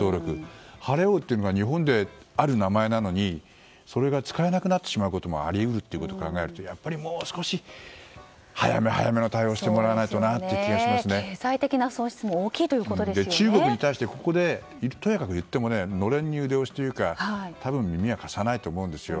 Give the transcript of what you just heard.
晴王というのが日本である名前なのにそれが使えなくなってしまうこともあり得るということを考えるともう少し、早め早めの対応をしてもらわないとという経済的な損失も中国にここでとやかく言っても暖簾に腕押しというか多分耳は貸さないと思うんですよ。